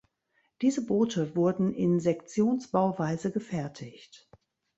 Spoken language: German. Diese Boote wurden in Sektionsbauweise gefertigt.